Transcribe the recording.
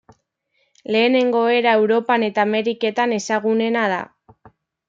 Lehenengo era Europan eta Ameriketan ezagunena da.